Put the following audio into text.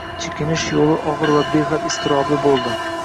Chekinish yo`li og`ir va behad iztirobli bo`ldi